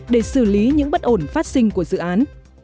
để xử lý những bất ổn phát sinh của dự án